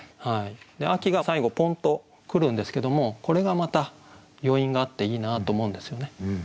「秋」が最後ポンッとくるんですけどもこれがまた余韻があっていいなと思うんですよね。